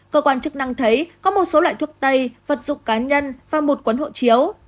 cơ quan chức năng thấy có một số loại thuốc tây vật dụng cá nhân và một cuốn hộ chiếu